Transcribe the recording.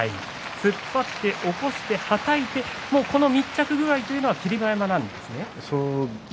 突っ張って起こしてはたいてこの密着具合というのが霧馬山なんですね。